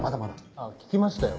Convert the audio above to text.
あっ聞きましたよ。